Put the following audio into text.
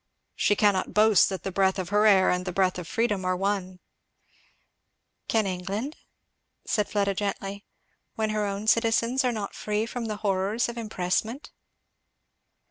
She cannot boast that the breath of her air and the breath of freedom are one." "Can England?" said Fleda gently, "when her own citizens are not free from the horrors of impressment?"